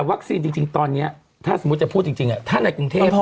วัคซีนจริงตอนนี้ถ้าสมมุติจะพูดจริงถ้าในกรุงเทพ